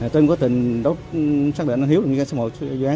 tôi có tình xác định anh hiếu là một dự án